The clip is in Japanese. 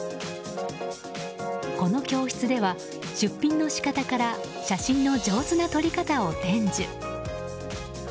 この教室では、出品の仕方から写真の上手な撮り方を伝授。